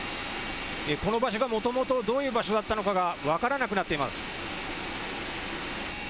この場所はもともとどういう場所だったのかが分からなくなっています。